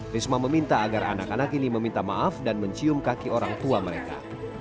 risma meminta agar anak anak ini meminta maaf dan mencium kaki orang tua mereka